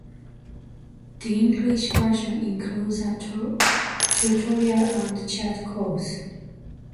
The English version includes a tutorial and cheat codes.